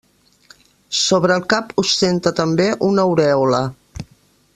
Sobre el cap ostenta també una aurèola.